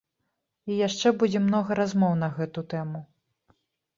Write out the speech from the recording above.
І яшчэ будзе многа размоў на гэту тэму.